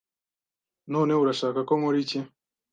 None urashaka ko nkora iki?